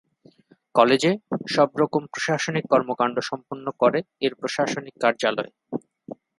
কলেজে সব রকম প্রশাসনিক কর্মকাণ্ড সম্পন্ন করে এর প্রশাসনিক কার্যালয়।